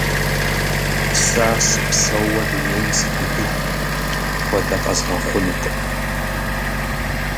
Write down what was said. Сэ сыпсэууэ дунейм сытетыху, апхуэдэ къэзгъэхъунукъым.